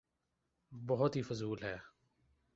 بہت ہی فضول ہے۔